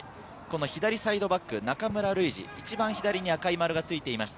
左サイドバック・中村ルイジ、一番左に赤い丸がついていました。